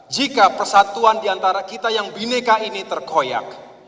jika persatuan diantara kita yang bineka ini terkoyak